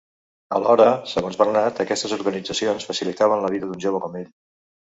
Alhora, segons Bernat, aquestes organitzacions facilitaven la vida d'un jove com ell.